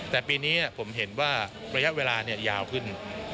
แต่ปีนี้ผมเห็นว่าระยะเวลายาวขึ้น